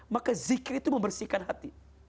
maka zikir itu membersihkan hati